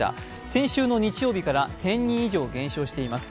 先週の日曜日から１０００人以上減少しています。